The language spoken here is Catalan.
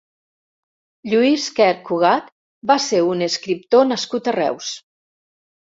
Lluís Quer Cugat va ser un escriptor nascut a Reus.